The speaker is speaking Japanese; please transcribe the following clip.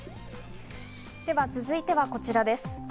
では続いてはこちらです。